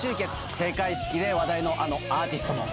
閉会式で話題のあのアーティストも。